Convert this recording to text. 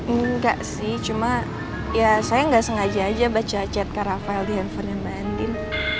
enggak sih cuma ya saya gak sengaja aja baca chat kak rafael di handphone mbak andien